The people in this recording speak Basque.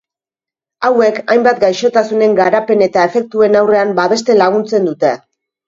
Hauek hainbat gaixotasunen garapen eta efektuen aurrean babesten laguntzen dute.